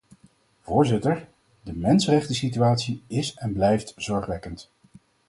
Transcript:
Voorzitter, de mensenrechtensituatie is en blijft zorgwekkend.